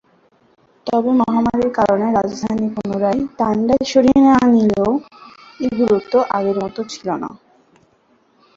তবে মহামারীর কারণে রাজধানী পুনরায় তান্ডায় সরিয়ে নেয়া নিলেও এর গুরুত্ব আগের মত ছিল না।